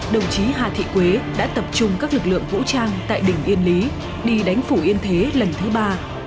đồng chí hà thị quế đã tập trung các lực lượng vũ trang tại đỉnh yên lý đi đánh phủ yên thế lần thứ ba